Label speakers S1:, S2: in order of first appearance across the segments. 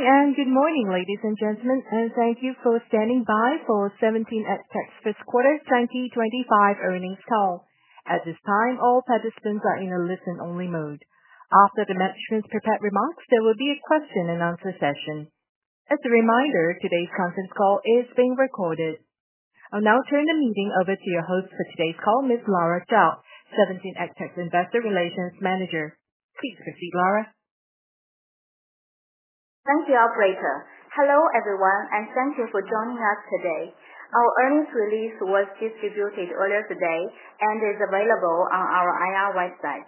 S1: Good morning, ladies and gentlemen, and thank you for standing by for 17 Education first quarter 2025 earnings call. At this time, all participants are in a listen-only mode. After the management's prepared remarks, there will be a question-and-answer session. As a reminder, today's conference call is being recorded. I'll now turn the meeting over to your host for today's call, Ms. Lara Zhao, 17 Education investor relations manager. Please proceed, Lara.
S2: Thank you, Operator. Hello everyone, and thank you for joining us today. Our earnings release was distributed earlier today and is available on our IR website.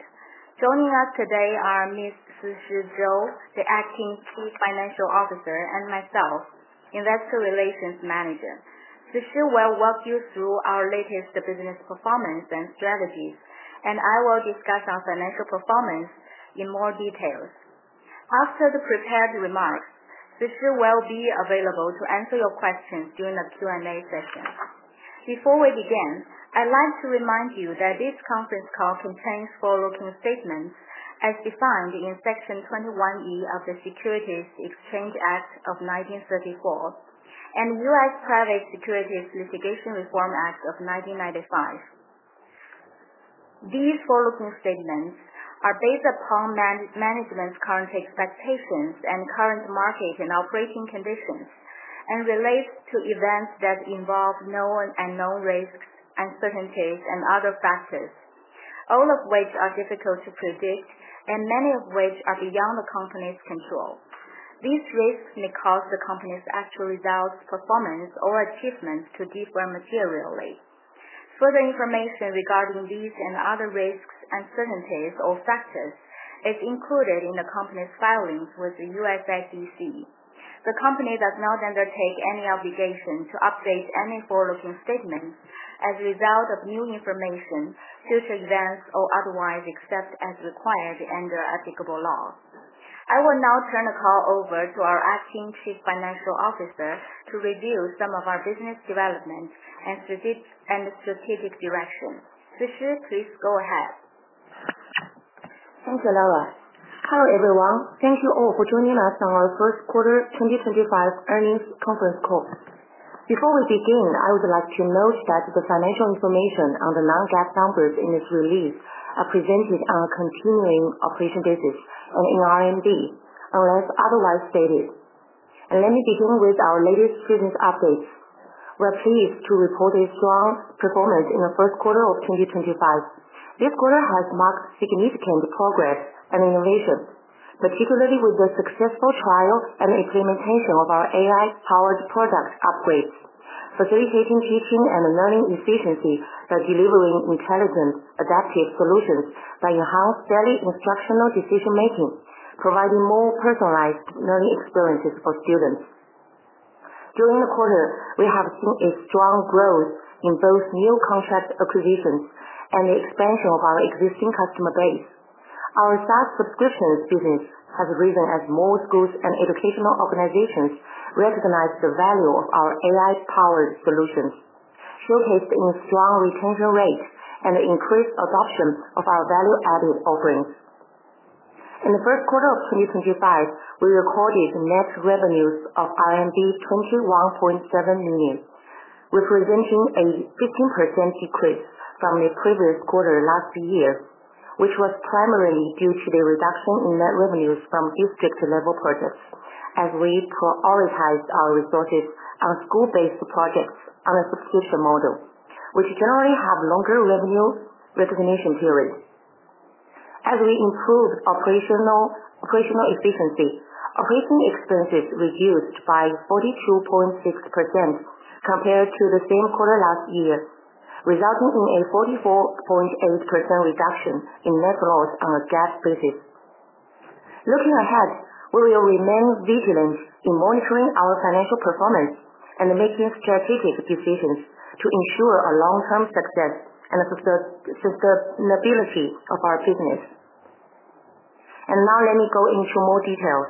S2: Joining us today are Ms. Sishi Zhou, the Acting Chief Financial Officer, and myself, Investor Relations Manager. Sishi will walk you through our latest business performance and strategies, and I will discuss our financial performance in more detail. After the prepared remarks, Sishi will be available to answer your questions during the Q&A session. Before we begin, I'd like to remind you that this conference call contains forward-looking statements as defined in Section 21E of the Securities and Exchange Act of 1934 and U.S. Private Securities Litigation Reform Act of 1995. These forward-looking statements are based upon management's current expectations and current market and operating conditions, and relate to events that involve known and unknown risks, uncertainties, and other factors, all of which are difficult to predict, and many of which are beyond the company's control. These risks may cause the company's actual results, performance, or achievements to differ materially. Further information regarding these and other risks, uncertainties, or factors is included in the company's filings with the U.S. SEC. The company does not undertake any obligation to update any forward-looking statements as a result of new information, future events, or otherwise except as required under applicable law. I will now turn the call over to our Acting Chief Financial Officer to review some of our business development and strategic direction. Sishi, please go ahead.
S3: Thank you, Lara. Hello everyone. Thank you all for joining us on our first quarter 2025 earnings conference call. Before we begin, I would like to note that the financial information and the non-GAAP numbers in this release are presented on a continuing operation basis and in RMB, unless otherwise stated. Let me begin with our latest business updates. We are pleased to report a strong performance in the first quarter of 2025. This quarter has marked significant progress and innovation, particularly with the successful trial and implementation of our AI-powered product upgrades, facilitating teaching and learning efficiency by delivering intelligent, adaptive solutions that enhance daily instructional decision-making, providing more personalized learning experiences for students. During the quarter, we have seen strong growth in both new contract acquisitions and the expansion of our existing customer base. Our SaaS subscriptions business has risen as more schools and educational organizations recognize the value of our AI-powered solutions, showcased in strong retention rates and increased adoption of our value-added offerings. In the first quarter of 2025, we recorded net revenues of 21.7 million, representing a 15% decrease from the previous quarter last year, which was primarily due to the reduction in net revenues from district-level projects as we prioritized our resources on school-based projects on a subscription model, which generally have longer revenue recognition periods. As we improved operational efficiency, operating expenses reduced by 42.6% compared to the same quarter last year, resulting in a 44.8% reduction in net loss on a GAAP basis. Looking ahead, we will remain vigilant in monitoring our financial performance and making strategic decisions to ensure long-term success and sustainability of our business. Now let me go into more details.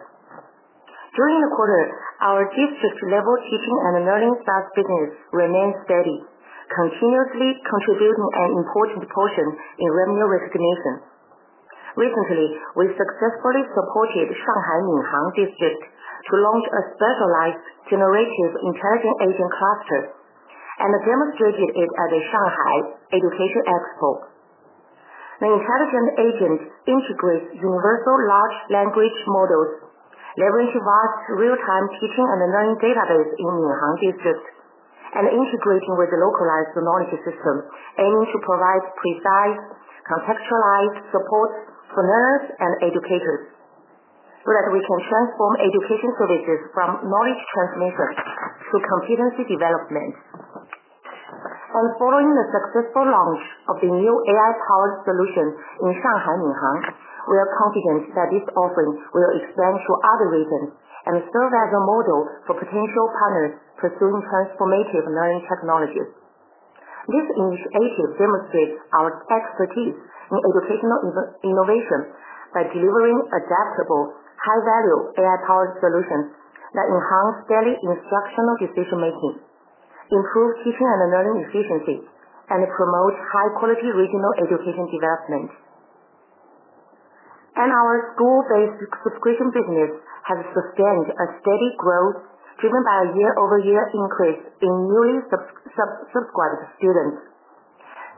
S3: During the quarter, our district-level teaching and learning SaaS business remained steady, continuously contributing an important portion in revenue recognition. Recently, we successfully supported Shanghai Minhang District to launch a specialized Generative Intelligent Agent Cluster and demonstrated it at the Shanghai Education Expo. The intelligent agent integrates universal large language models, leveraging vast real-time teaching and learning database in Minhang District, and integrating with the localized knowledge system, aiming to provide precise, contextualized support for learners and educators so that we can transform education services from knowledge transmission to competency development. Following the successful launch of the new AI-powered solution in Shanghai Minhang, we are confident that this offering will expand to other regions and serve as a model for potential partners pursuing transformative learning technologies. This initiative demonstrates our expertise in educational innovation by delivering adaptable, high-value AI-powered solutions that enhance daily instructional decision-making, improve teaching and learning efficiency, and promote high-quality regional education development. Our school-based subscription business has sustained a steady growth driven by a year-over-year increase in newly subscribed students.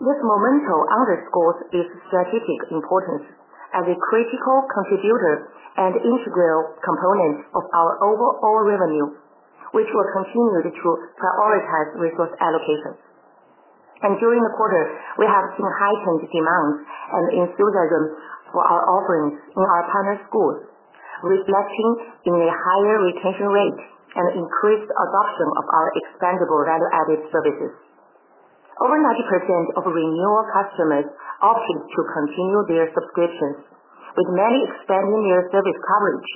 S3: This momentum underscores its strategic importance as a critical contributor and integral component of our overall revenue, which will continue to prioritize resource allocation. During the quarter, we have seen heightened demands and enthusiasm for our offerings in our partner schools, reflecting in a higher retention rate and increased adoption of our expandable value-added services. Over 90% of renewal customers opted to continue their subscriptions, with many expanding their service coverage.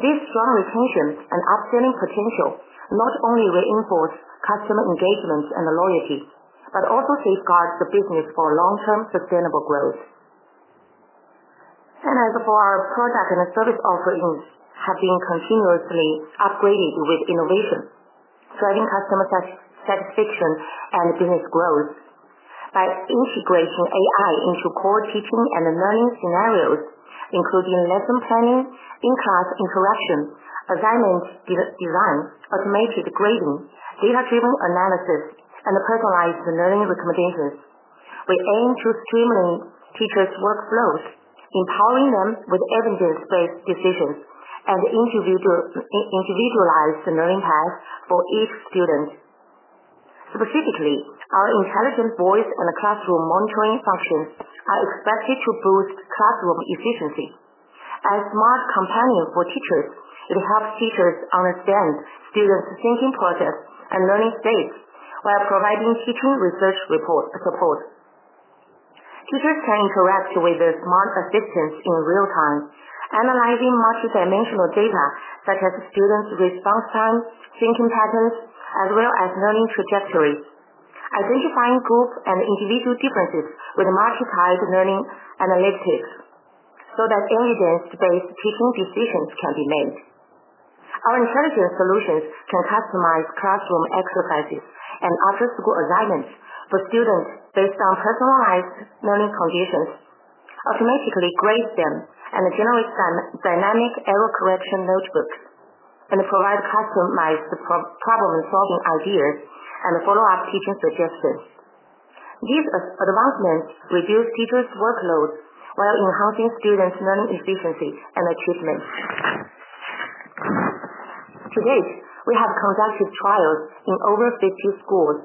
S3: This strong retention and upscaling potential not only reinforces customer engagement and loyalty but also safeguards the business for long-term sustainable growth. As for our product and service offerings, they have been continuously upgraded with innovation, driving customer satisfaction and business growth by integrating AI into core teaching and learning scenarios, including lesson planning, in-class interaction, assignment design, automated grading, data-driven analysis, and personalized learning recommendations. We aim to streamline teachers' workflows, empowering them with evidence-based decisions and individualized learning paths for each student. Specifically, our Intelligent Voice and Classroom Monitoring functions are expected to boost classroom efficiency. As a smart companion for teachers, it helps teachers understand students' thinking processes and learning states while providing teaching research support. Teachers can interact with the smart assistants in real time, analyzing multidimensional data such as students' response time, thinking patterns, as well as learning trajectories, identifying group and individual differences with multi-task learning analytics so that evidence-based teaching decisions can be made. Our intelligent solutions can customize classroom exercises and after-school assignments for students based on personalized learning conditions, automatically grade them, and generate dynamic error correction notebooks, and provide customized problem-solving ideas and follow-up teaching suggestions. These advancements reduce teachers' workload while enhancing students' learning efficiency and achievement. To date, we have conducted trials in over 50 schools,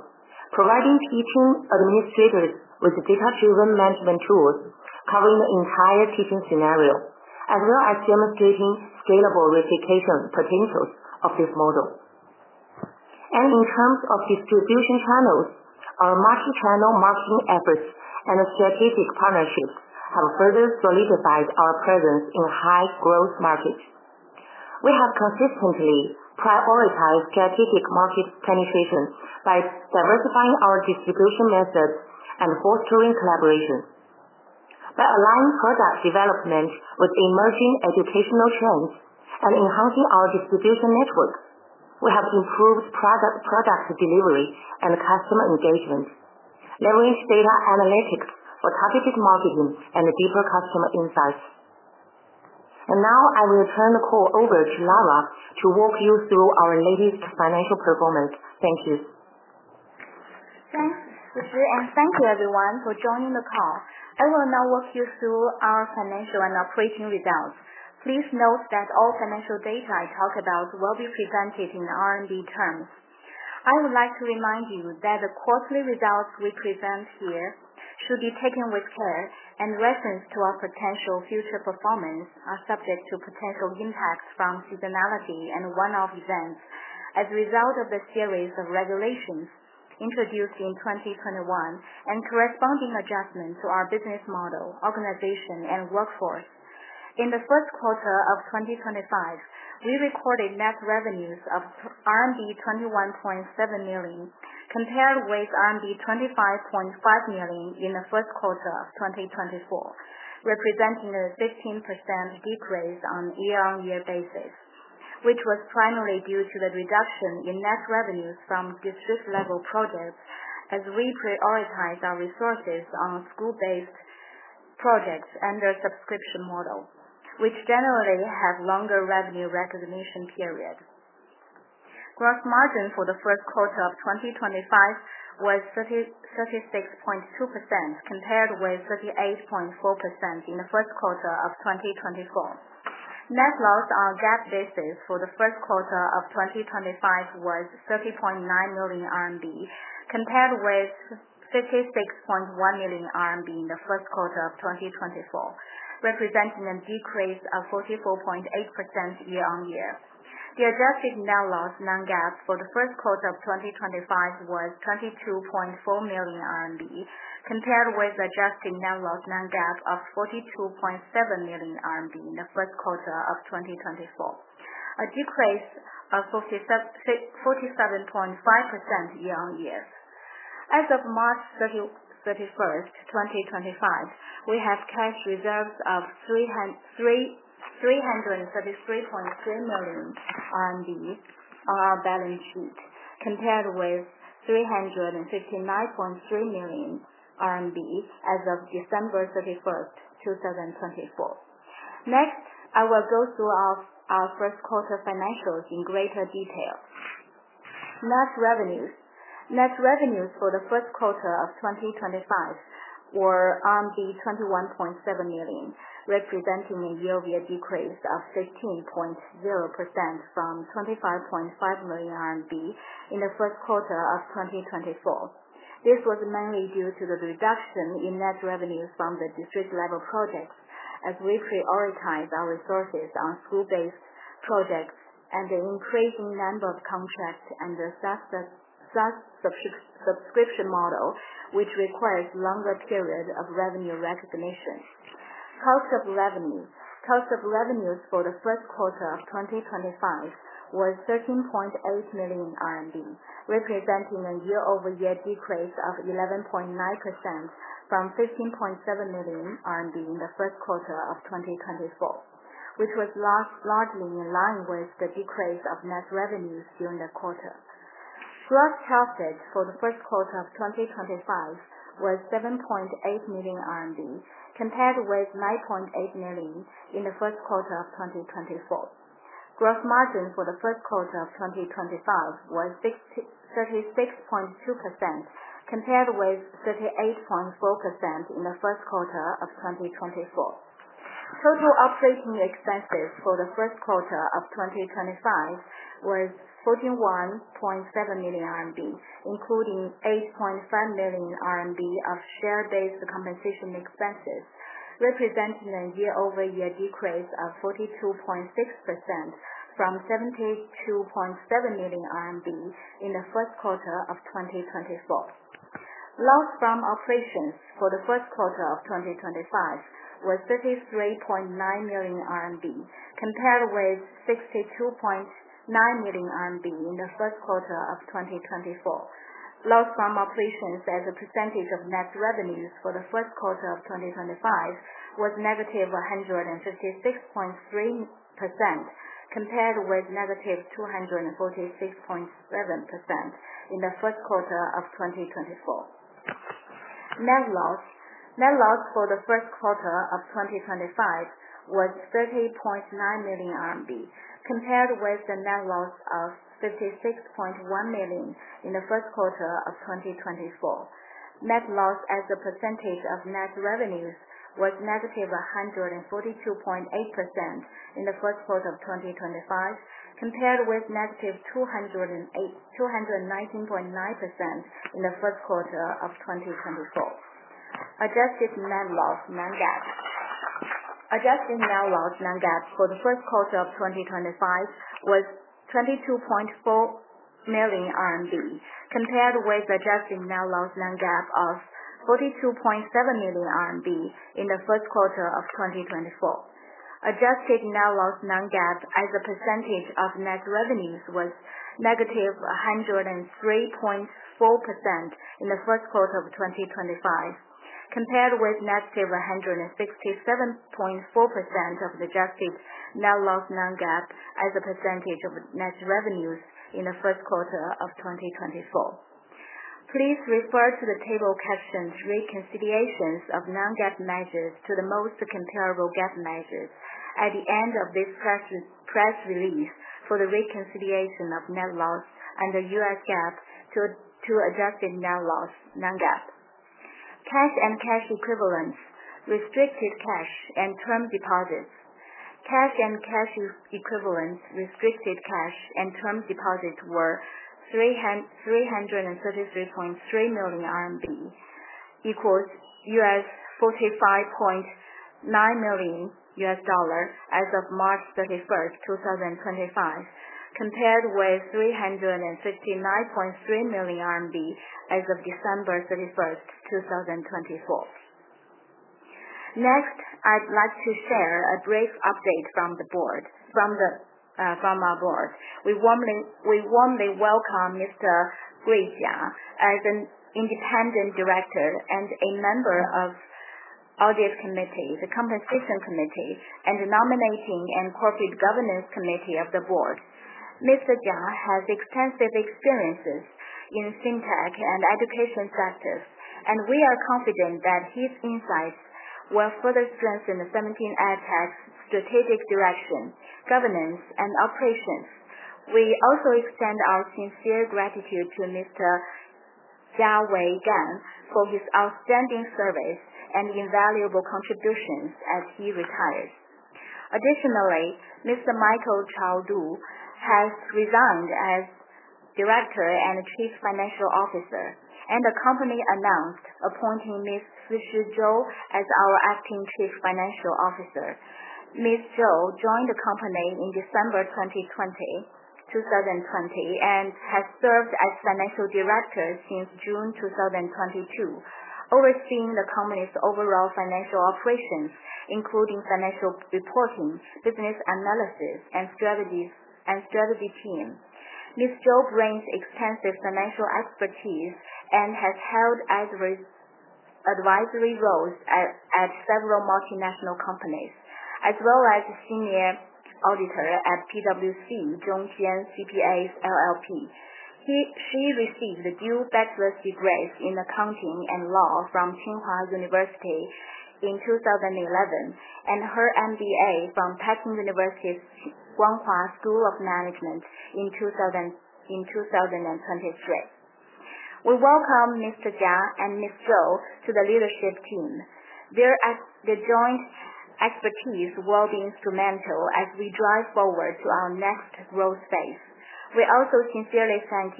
S3: providing teaching administrators with data-driven management tools covering the entire teaching scenario, as well as demonstrating scalable replication potentials of this model. In terms of distribution channels, our multi-channel marketing efforts and strategic partnerships have further solidified our presence in high-growth markets. We have consistently prioritized strategic market penetration by diversifying our distribution methods and fostering collaboration. By allying product development with emerging educational trends and enhancing our distribution network, we have improved product delivery and customer engagement, leveraged data analytics for targeted marketing and deeper customer insights. I will now turn the call over to Lara to walk you through our latest financial performance. Thank you.
S2: Thanks, Sishi, and thank you everyone for joining the call. I will now walk you through our financial and operating results. Please note that all financial data I talk about will be presented in RMB terms. I would like to remind you that the quarterly results we present here should be taken with care, and reference to our potential future performance are subject to potential impacts from seasonality and one-off events as a result of the series of regulations introduced in 2021 and corresponding adjustments to our business model, organization, and workforce. In the first quarter of 2025, we recorded net revenues of RMB 21.7 million, compared with RMB 25.5 million in the first quarter of 2024, representing a 15% decrease on a year-on-year basis, which was primarily due to the reduction in net revenues from district-level projects as we prioritized our resources on school-based projects and their subscription model, which generally have longer revenue recognition periods. Gross margin for the first quarter of 2025 was 36.2%, compared with 38.4% in the first quarter of 2024. Net loss on a GAAP basis for the first quarter of 2025 was 30.9 million RMB, compared with 56.1 million RMB in the first quarter of 2024, representing a decrease of 44.8% year-on-year. The adjusted net loss non-GAAP for the first quarter of 2025 was RMB 22.4 million, compared with the adjusted net loss non-GAAP of 42.7 million RMB in the first quarter of 2024, a decrease of 47.5% year-on-year. As of March 31, 2025, we have cash reserves of 333.3 million on our balance sheet, compared with 359.3 million RMB as of December 31, 2024. Next, I will go through our first quarter financials in greater detail. Net revenues for the first quarter of 2025 were 21.7 million, representing a year-over-year decrease of 15.0% from 25.5 million RMB in the first quarter of 2024. This was mainly due to the reduction in net revenues from the district-level projects as we prioritized our resources on school-based projects and the increasing number of contracts and the SaaS subscription model, which requires a longer period of revenue recognition. Cost of revenues for the first quarter of 2025 was 13.8 million RMB, representing a year-over-year decrease of 11.9% from 15.7 million RMB in the first quarter of 2024, which was largely in line with the decrease of net revenues during the quarter. Gross profit for the first quarter of 2025 was 7.8 million RMB, compared with 9.8 million in the first quarter of 2024. Gross margin for the first quarter of 2025 was 36.2%, compared with 38.4% in the first quarter of 2024. Total operating expenses for the first quarter of 2025 was 41.7 million RMB, including 8.5 million RMB of share-based compensation expenses, representing a year-over-year decrease of 42.6% from 72.7 million in the first quarter of 2024. Loss from operations for the first quarter of 2025 was 33.9 million RMB, compared with 62.9 million RMB in the first quarter of 2024. Loss from operations as a percentage of net revenues for the first quarter of 2025 was negative 156.3%, compared with negative 246.7% in the first quarter of 2024. Net loss for the first quarter of 2025 was 30.9 million RMB, compared with the net loss of 56.1 million in the first quarter of 2024. Net loss as a percentage of net revenues was negative 142.8% in the first quarter of 2025, compared with negative 219.9% in the first quarter of 2024. Adjusted net loss non-GAAP for the first quarter of 2025 was 22.4 million RMB, compared with adjusted net loss non-GAAP of 42.7 million RMB in the first quarter of 2024. Adjusted net loss non-GAAP as a percentage of net revenues was negative 103.4% in the first quarter of 2025, compared with negative 167.4% of the adjusted net loss non-GAAP as a percentage of net revenues in the first quarter of 2024. Please refer to the table questions, "Reconciliations of non-GAAP measures to the most comparable GAAP measures," at the end of this press release for the reconciliation of net loss under U.S. GAAP to adjusted net loss non-GAAP. Cash and cash equivalents, restricted cash and term deposits. Cash and cash equivalents, restricted cash and term deposits were RMB 333.3 million, equals $45.9 million as of March 31, 2025, compared with 369.3 million RMB as of December 31, 2024. Next, I'd like to share a brief update from the board. From our board, we warmly welcome Mr. Gui Jia as an independent director and a member of the audit committee, the compensation committee, and the nominating and corporate governance committee of the board. Mr. Jia has extensive experiences in fintech and education sectors, and we are confident that his insights will further strengthen the 17 Education & Technology Group strategic direction, governance, and operations. We also extend our sincere gratitude to Mr. Jia Wei Gan for his outstanding service and invaluable contributions as he retires. Additionally, Mr. Michael Chow Do has resigned as director and chief financial officer, and the company announced appointing Ms. Sishi Zhou as our acting chief financial officer. Ms. Zhou joined the company in December 2020 and has served as financial director since June 2022, overseeing the company's overall financial operations, including financial reporting, business analysis, and strategy team. Ms. Zhou brings extensive financial expertise and has held advisory roles at several multinational companies, as well as a senior auditor at PwC, Zhongjian CPAs LLP. She received a dual bachelor's degrees in accounting and law from Tsinghua University in 2011, and her MBA from Peking University's Guanghua School of Management in 2023. We welcome Mr. Jia and Ms. Zhou to the leadership team. Their joint expertise will be instrumental as we drive forward to our next growth phase. We also sincerely thank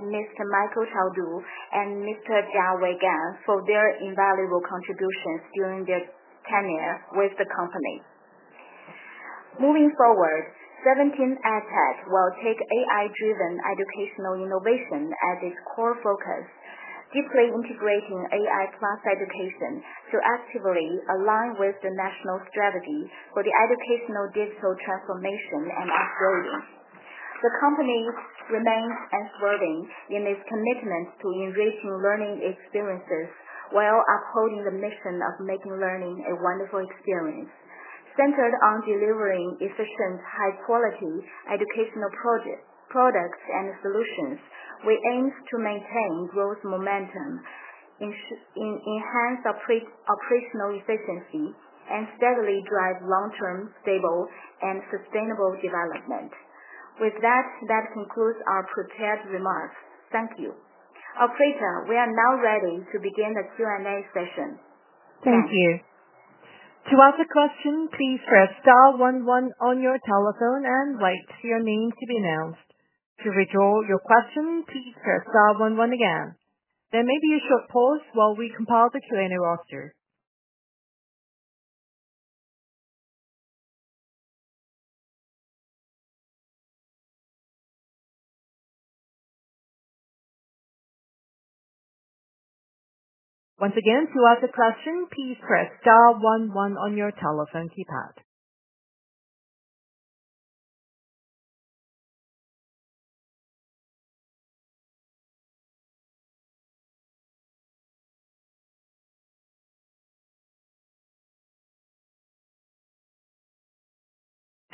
S2: Mr. Michael Chow Do and Mr. Jia Wei Gan for their invaluable contributions during their tenure with the company. Moving forward, 17 Education & Technology Group will take AI-driven educational innovation as its core focus, deeply integrating AI plus education to actively align with the national strategy for the educational digital transformation and upgrading. The company remains unswerving in its commitment to enriching learning experiences while upholding the mission of making learning a wonderful experience. Centered on delivering efficient, high-quality educational products and solutions, we aim to maintain growth momentum, enhance operational efficiency, and steadily drive long-term, stable, and sustainable development. With that, this concludes our prepared remarks. Thank you. Operator, we are now ready to begin the Q&A session.
S1: Thank you. To ask a question, please press star 11 on your telephone and wait for your name to be announced. To withdraw your question, please press star 11 again. There may be a short pause while we compile the Q&A roster. Once again, to ask a question, please press star 11 on your telephone keypad.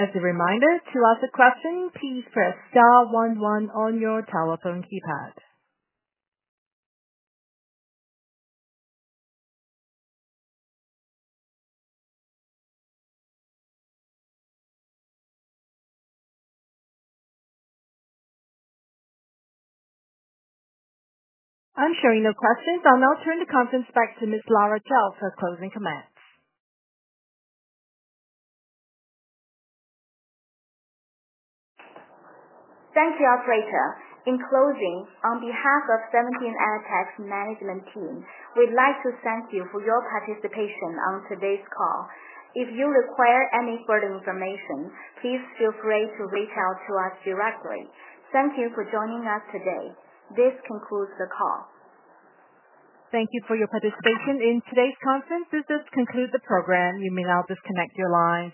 S1: As a reminder, to ask a question, please press star 11 on your telephone keypad. Ensuring the questions, I'll now turn the conference back to Ms. Lara Zhao for closing comments.
S2: Thank you, Operator. In closing, on behalf of 17 Education & Technology Group's management team, we'd like to thank you for your participation on today's call. If you require any further information, please feel free to reach out to us directly. Thank you for joining us today. This concludes the call.
S1: Thank you for your participation in today's conference. This does conclude the program. You may now disconnect your lines.